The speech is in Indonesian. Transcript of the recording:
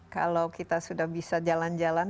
kalau kita sudah bisa jalan jalan